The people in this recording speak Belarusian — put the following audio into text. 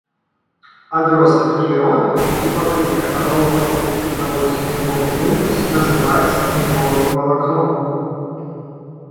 Адростак нейрона, які пакрыты абалонкамі і праводзіць нервовы імпульс, называецца нервовым валакном.